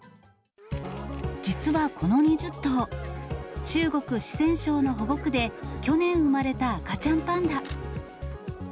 実はこの２０頭、中国・四川省の保護区で、去年生まれた赤ちゃんパンダ。